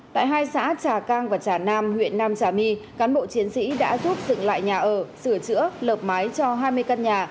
tại hai xã trà cang và trà nam huyện nam trà my cán bộ chiến sĩ đã giúp dựng lại nhà ở sửa chữa lợp mái cho hai mươi căn nhà